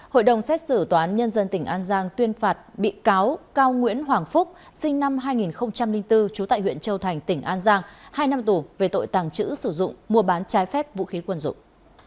hội đồng xét xử tòa án nhân dân tỉnh an giang tuyên phạt bị cáo cao nguyễn hoàng phúc sinh năm hai nghìn bốn trú tại huyện châu thành tỉnh an giang hai năm tù về tội tàng trữ sử dụng mua bán trái phép vũ khí quân dụng